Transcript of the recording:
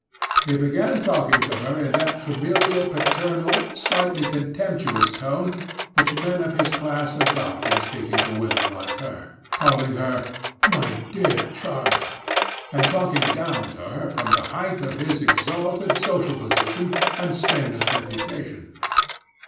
He began talking to her in that familiar, paternal, slightly contemptuous tone which men of his class adopt in speaking to women like her, calling her "my dear child," and talking down to her from the height of his exalted social position and stainless reputation.